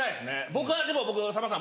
僕はでもさんまさん